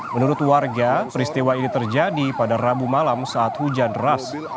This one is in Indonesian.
menurut warga peristiwa ini terjadi pada rabu malam saat hujan deras